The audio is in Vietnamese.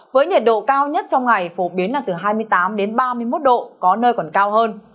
với nhiệt độ cao nhất trong ngày phổ biến là từ hai mươi tám ba mươi một độ có nơi còn cao hơn